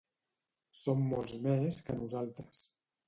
Són molts més que nosaltres.